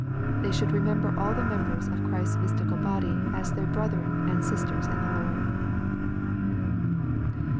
They should remember all the members of Christ's mystical tody aa their brethren and sisters in the Lord.